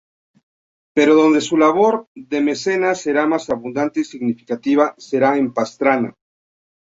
Pero donde su labor de mecenas será más abundante y significativa será en Pastrana.